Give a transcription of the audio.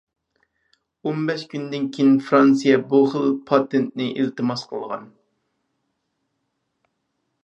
ئون بەش كۈندىن كېيىن فىرانسىيە بۇ خىل پاتېنتنى ئىلتىماس قىلغان.